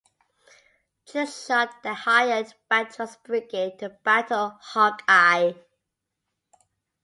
Trick Shot then hired Batroc's Brigade to battle Hawkeye.